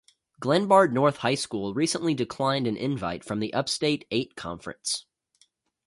Glenbard North High School recently declined an invite from the Upstate Eight Conference.